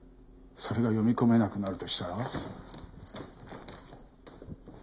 それが読み込めなくなるとしたら。